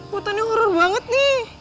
kucing ini horor banget nih